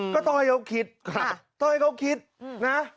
ก็ต้องให้เขาคิดต้องให้เขาคิดนะ